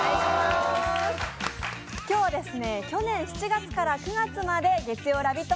今日は去年７月から９月まで月曜ラヴィット！